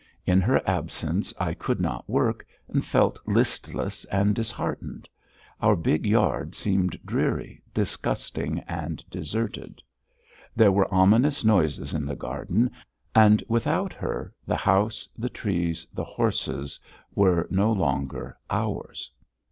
In her absence I could not work, and felt listless and disheartened; our big yard seemed dreary, disgusting, and deserted; there were ominous noises in the garden, and without her the house, the trees, the horses were no longer "ours."